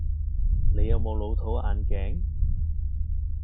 你有冇老土眼鏡?